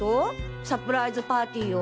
サプライズパーティーを。